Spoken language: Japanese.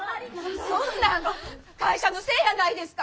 そんなん会社のせいやないですか！